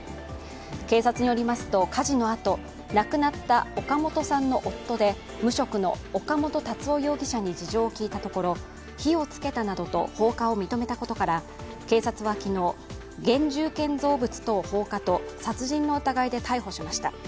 警察によりますと火事のあと亡くなった岡本さんの夫で無職の岡本達夫容疑者に事情を聞いたところ火を付けたなどと放火を認めたことから警察は昨日、現住建造物等放火と殺人の疑いで逮捕しました。